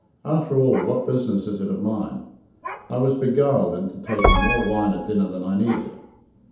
After all, what business is it of mine? I was beguiled into taking more wine at dinner than I needed.